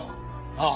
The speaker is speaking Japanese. ああ。